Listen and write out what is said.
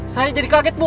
saya jadi kaget bu